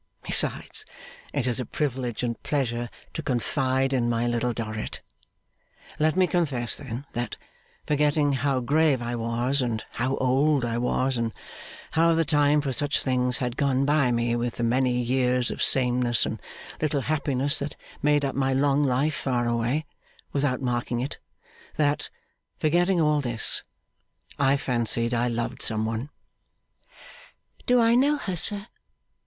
Besides, it is a privilege and pleasure to confide in my Little Dorrit. Let me confess then, that, forgetting how grave I was, and how old I was, and how the time for such things had gone by me with the many years of sameness and little happiness that made up my long life far away, without marking it that, forgetting all this, I fancied I loved some one.' 'Do I know her, sir?